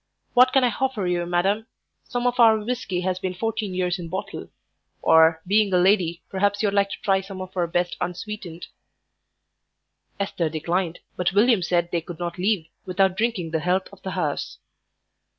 What can I hoffer you, madam? Some of our whisky has been fourteen years in bottle; or, being a lady, perhaps you'd like to try some of our best unsweetened." Esther declined, but William said they could not leave without drinking the health of the house.